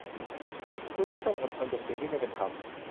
คุณยังต้องอดทนกับสิ่งที่ไม่เป็นธรรม